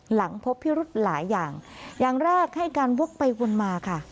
หลังพบพิรุธหลายอย่างอย่างแรกให้การวกไปวนมาค่ะ